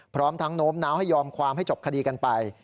พร้อมทั้งโน้มน้าวให้ยอมความให้จบคดีกันไป